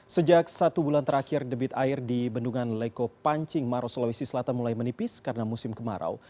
sejak satu bulan terakhir debit air di bendungan leko pancing maros sulawesi selatan mulai menipis karena musim kemarau